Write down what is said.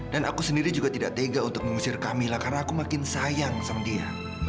dan aku sendiri juga tidak tega untuk mengusir kamila karena aku makin sayang sama dia